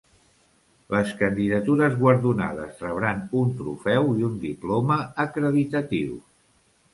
Les candidatures guardonades rebran un trofeu i un diploma acreditatius.